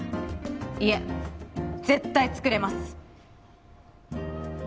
いえ絶対作れます！